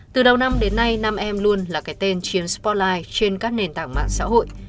từ đầu năm đến nay nam em luôn là cái tên chiếm sportline trên các nền tảng mạng xã hội